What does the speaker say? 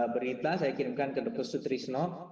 berita saya kirimkan ke dr sutrisno